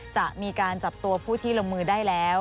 จะมีการจับตัวผู้ที่ลงมือได้แล้ว